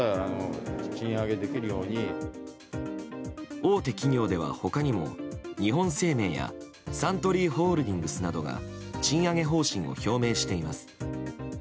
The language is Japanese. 大手企業では、他にも日本生命やサントリーホールディングスなどが賃上げ方針を表明しています。